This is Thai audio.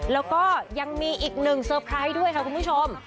แล้วก็ยังมีอีกหนึ่งเซอร์ไพรส์ด้วยค่ะคุณผู้ชม